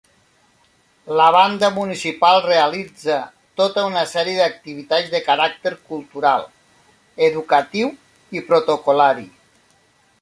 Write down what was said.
La Banda Municipal realitza tota una sèrie d'activitats de caràcter cultural, educatiu i protocol·lari.